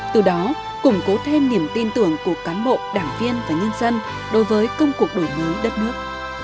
từ đó củng cố thêm niềm tin tưởng của cán bộ đảng viên và nhân dân đối với công cuộc đổi mới đất nước